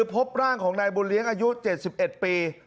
พบด้านของในดรมดันอายุ๔๑ปี